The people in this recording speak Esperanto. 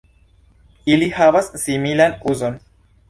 Ili havas similan uzon.